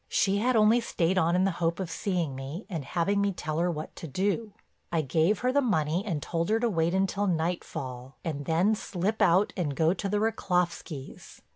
She had only stayed on in the hope of seeing me and having me tell her what to do. "I gave her the money and told her to wait until nightfall and then slip out and go to the Rychlovskys.